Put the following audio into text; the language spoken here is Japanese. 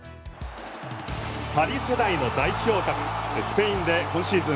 パリ世代の代表格でスペインで今シーズン